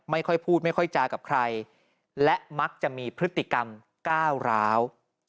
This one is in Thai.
ไม่ค่อยพูดไม่ค่อยจากับใครและมักจะมีพฤติกรรมก้าวร้าว